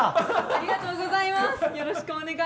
ありがとうございます。